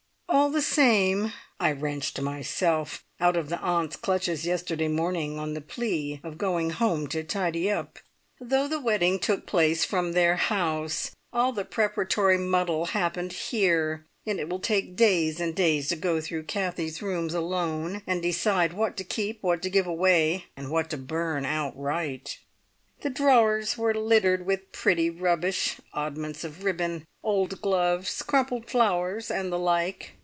All the same I wrenched myself out of the aunts' clutches yesterday morning on the plea of going home to tidy up. Though the wedding took place from their house, all the preparatory muddle happened here, and it will take days and days to go through Kathie's rooms alone, and decide what to keep, what to give away, and what to burn outright. The drawers were littered with pretty rubbish oddments of ribbon, old gloves, crumpled flowers, and the like.